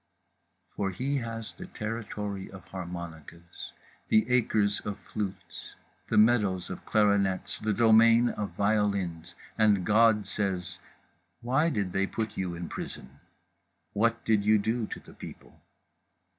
For he has the territory of harmonicas, the acres of flutes, the meadows of clarinets, the domain of violins. And God says: Why did they put you in prison? What did you do to the people?